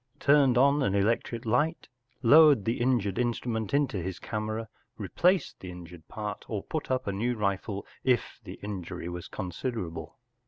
turned on an electric light, lowered the injured instrument into his camera, replaced the injured part, or put up a new rifle if the injury was con¬ siderable.